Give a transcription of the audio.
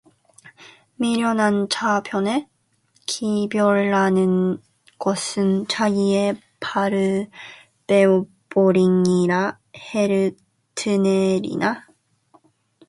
미련한 자 편에 기별하는 것은 자기의 발을 베어 버림이라 해를 받느니라